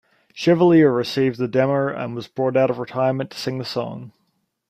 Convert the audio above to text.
Chevalier received the demo and was brought out of retirement to sing the song.